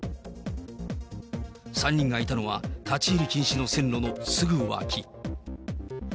３人がいたのは、立ち入り禁止の線路のすぐ脇。